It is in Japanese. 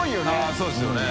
◆舛そうですよね。